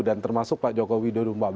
dan termasuk pak jokowi dua ribu empat belas